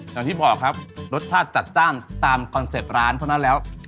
อย่างที่บอกครับรสชาติจัดจ้านตามคอนเซ็ปต์ร้านเพราะฉะนั้นแล้ว